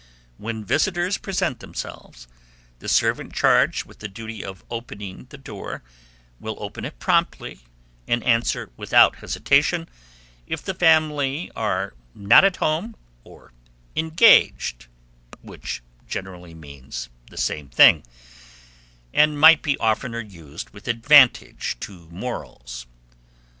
When visitors present themselves, the servant charged with the duty of opening the door will open it promptly, and answer, without hesitation, if the family are "not at home," or "engaged;" which generally means the same thing, and might be oftener used with advantage to morals.